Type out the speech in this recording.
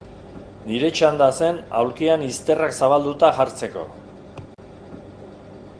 Nire txanda zen aulkian izterrak zabalduta jartzeko.